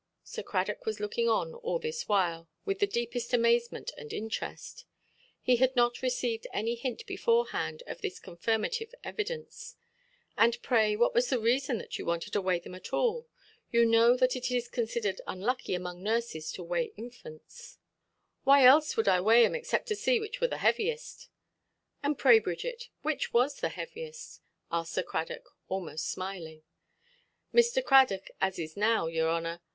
Sir Cradock was looking on, all this while, with the deepest amazement and interest. He had not received any hint beforehand of this confirmative evidence. "And, pray, what was the reason that you wanted to weigh them at all? You know that it is considered unlucky among nurses to weigh infants". "Why else wud I weigh them, except to see which wur the heaviest"? "And pray, Bridget, which was the heavier"? asked Sir Cradock, almost smiling. "Mr. Cradock, as is now, your honour.